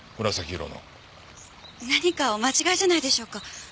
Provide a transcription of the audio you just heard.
何かお間違いじゃないでしょうか？